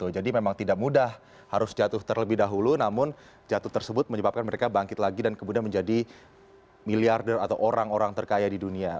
jadi memang tidak mudah harus jatuh terlebih dahulu namun jatuh tersebut menyebabkan mereka bangkit lagi dan kemudian menjadi miliarder atau orang orang terkaya di dunia